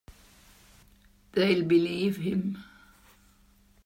They'll believe him.